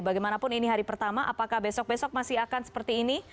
bagaimanapun ini hari pertama apakah besok besok masih akan seperti ini